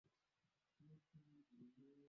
etoo alimtwanga kichwa kifuani beki huyo